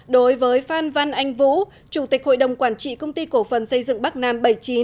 đối với phan văn anh vũ chủ tịch hội đồng quản trị công ty cổ phần xây dựng bắc nam bảy mươi chín